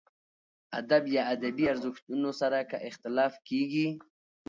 ادب یا ادبي ارزښتونو سره که اختلاف کېږي.